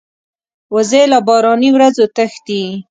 وزې له باراني ورځو تښتي